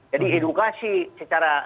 jadi edukasi secara